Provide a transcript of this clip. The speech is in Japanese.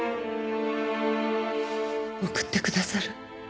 送ってくださる？